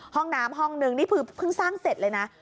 ห้องน้ำห้องนึงนี่คือเพิ่งสร้างเสร็จเลยนะ